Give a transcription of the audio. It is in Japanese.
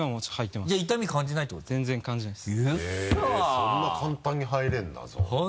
そんな簡単に入れるんだゾーン。